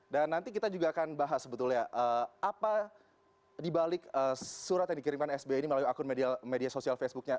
dan nanti kita juga akan bahas sebetulnya apa dibalik surat yang dikirimkan sbi ini melalui akun media sosial facebooknya